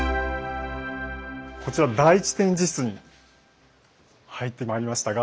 こちら第１展示室に入ってまいりましたが。